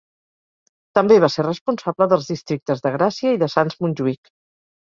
També va ser responsable dels districtes de Gràcia i de Sants-Montjuïc.